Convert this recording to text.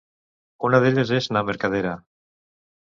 Una d’elles és na Mercadera.